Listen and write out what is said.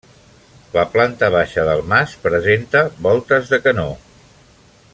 La planta baixa del mas presenta voltes de canó.